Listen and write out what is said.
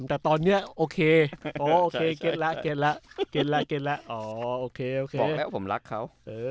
แต่ตอนนี้โอเคโอเคเก็ตละโอเคบอกแล้วผมรักเขา